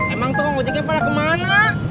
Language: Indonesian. emang tuh ojeknya pada kemana